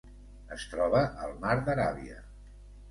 Es troba al mar d'Aràbia.